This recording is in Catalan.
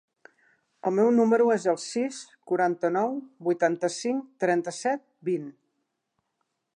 El meu número es el sis, quaranta-nou, vuitanta-cinc, trenta-set, vint.